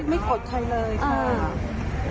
ไม่โกรธใครเลยค่ะ